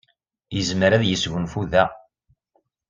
Yezmer ad yesgunfu da.